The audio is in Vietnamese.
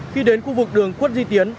khi đến khu vực đường khuất di tiến